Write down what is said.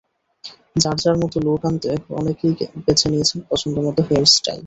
যার যার মতো লুক আনতে অনেকেই বেছে নিয়েছেন পছন্দমতো হেয়ার স্টাইল।